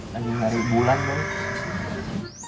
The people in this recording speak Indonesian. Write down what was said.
tadi nari bulan dong